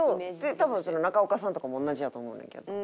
多分中岡さんとかも同じやと思うねんけど。